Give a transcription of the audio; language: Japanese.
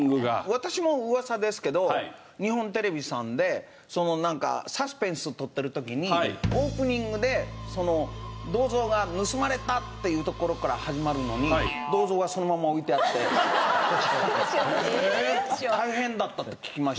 私も噂ですけど日本テレビさんでそのなんかサスペンスを撮ってる時にオープニングで「銅像が盗まれた」っていうところから始まるのに大変だったって聞きました。